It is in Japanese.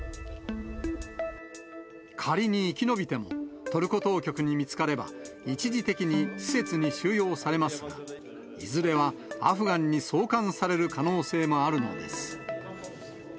仮に生き延びても、トルコ当局に見つかれば、一時的に施設に収容されますが、いずれはアフガンに送還される可能性もあるのです。